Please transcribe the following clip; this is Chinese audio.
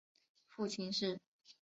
父亲是。